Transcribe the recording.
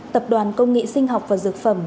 tập đoàn công nghị sinh học và dược phẩm